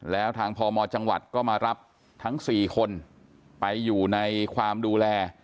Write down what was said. แล้วทางพมจังหวัดก็มารับทั้ง๔คนไปอยู่ในความดูแล